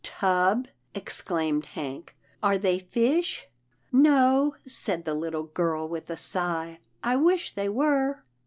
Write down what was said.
" Tub! " exclaimed Hank, " are they fish? " "No," said the little girl with a sigh, "I wish they were."